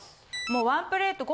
もうワンプレート。